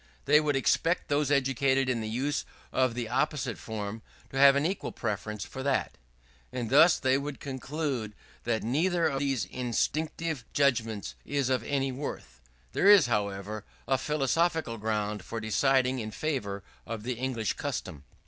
They would expect those educated in the use of the opposite form to have an equal preference for that. And thus they would conclude that neither of these instinctive judgments is of any worth. There is, however, a philosophical ground for deciding in favour of the English custom.